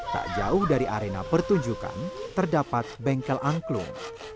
tak jauh dari arena pertunjukan terdapat bengkel angklung